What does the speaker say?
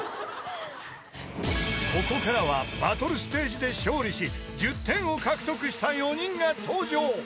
［ここからはバトルステージで勝利し１０点を獲得した４人が登場］